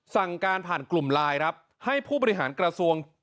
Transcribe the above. สั่งการผ่านกลุ่มไลน์ครับให้ผู้บริหารกระทรวง